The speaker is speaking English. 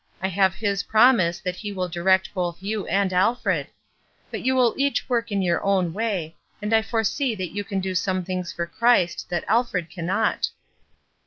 I have His promise that He will direct both you and Alfred. But you will each work in your own way, and I foresee that you can do some things for Christ that Alfred cannot."